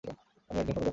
আমি একজন ফটোগ্রাফার!